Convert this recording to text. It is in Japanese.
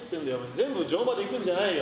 全部上場で行くんじゃないよ。